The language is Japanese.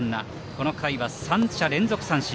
この回は３者連続三振。